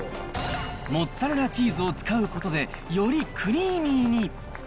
モッツァレラチーズを使うことで、よりクリーミーに。